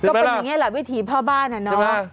ก็เป็นอย่างนี้แหละวิถีพ่อบ้านอะเนาะ